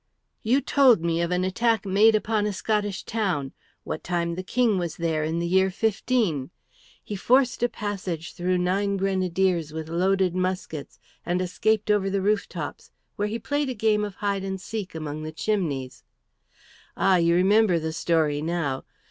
"You told me of an attack made upon a Scottish town, what time the King was there in the year '15. He forced a passage through nine grenadiers with loaded muskets and escaped over the roof tops, where he played a game of hide and seek among the chimneys. Ah, you remember the story now.